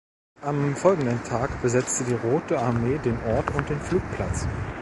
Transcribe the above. Am folgenden Tag besetzte die Rote Armee den Ort und den Flugplatz.